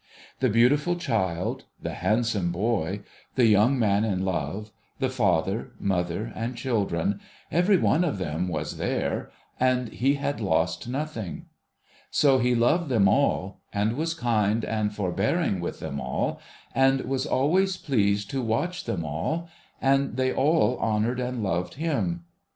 The beautiful child, the handsome boy, the young man in love, the father, mother, and children : every one of them was there, and he had lost nothing. So, he loved them all, and was kind and forbearing with them all, and was always pleased to w\atch them all, and they all honoured and loved him.